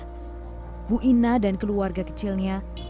ibu ina dan keluarga kecilnya